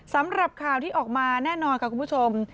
สำหรับข่าวที่ออกมาแน่นอนค่ะคุณผู้ชม